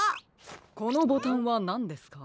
このボタンはなんですか？